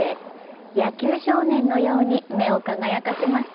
野球少年のように目を輝かせました。